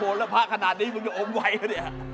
ผมโบทแล้วพระขนาดนี้มึงจะอมไหวหรือเปล่า